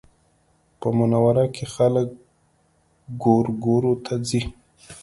په منوره کې خلک ګورګورو ته ځي